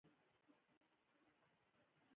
ښارونه د افغانستان د اقتصادي ودې لپاره ارزښت لري.